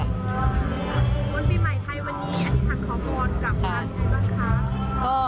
วันปีใหม่ไทยวันนี้อธิบันขอขอบควรกรณ์บ้านได้บางค่ะ